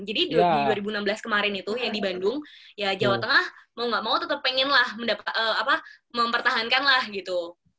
jadi di dua ribu enam belas kemarin itu yang di bandung ya jawa tengah mau gak mau tetep pengenlah mempertahankanlah gitu